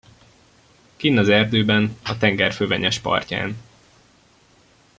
Kinn az erdőben, a tenger fövenyes partján.